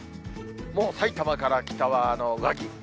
さいたまから北は上着。